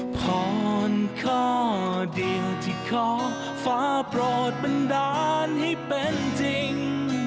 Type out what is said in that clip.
พรข้อเดียวที่ขอฟ้าโปรดบันดาลให้เป็นจริง